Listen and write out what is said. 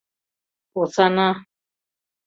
Посана!